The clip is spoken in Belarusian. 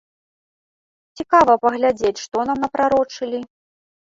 Цікава паглядзець, што нам напрарочылі?